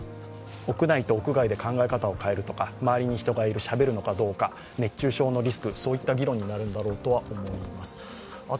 屋内と屋外で考え方を変えるとか、周りに人がいる、しゃべるのかどうか、熱中症のリスクといった議論になるんだろうとは思います。